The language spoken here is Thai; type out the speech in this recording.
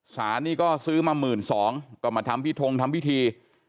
สารนี่ก็ซื้อมา๑๒๐๐ก็มาทำพิทงทำพิธี